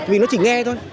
vì nó chỉ nghe thôi